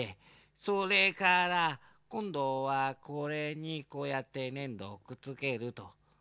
それからこんどはこれにこうやってねんどをくっつけると。ね。